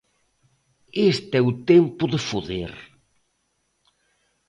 este é o tempo de foder.